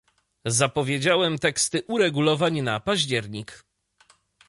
Zapowiedziałem teksty uregulowań na październik